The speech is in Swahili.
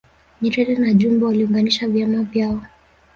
Nyerere na Jumbe waliunganisha vyama vyao